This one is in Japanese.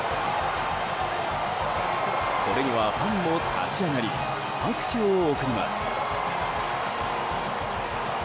これにはファンも立ち上がり拍手を送ります。